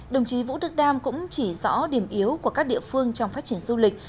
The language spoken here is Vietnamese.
đồng chí vũ đức đam cũng chỉ rõ điểm yếu của các địa phương trong phát triển du lịch